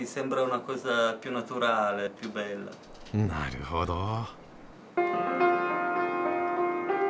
なるほど。